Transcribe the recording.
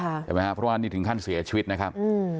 ใช่ไหมครับเพราะว่านี่ถึงขั้นเสียชีวิตนะครับ